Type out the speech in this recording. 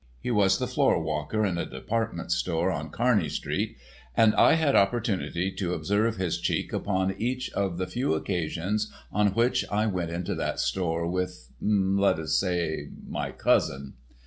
He was the floor walker in a department store on Kearny street, and I had opportunity to observe his cheek upon each of the few occasions on which I went into that store with—let us say my cousin.